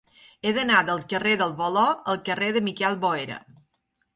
He d'anar del carrer del Voló al carrer de Miquel Boera.